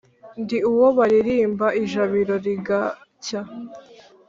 ndi uwo balirimba ijabiro rigacya,